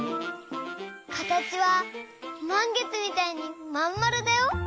かたちはまんげつみたいにまんまるだよ。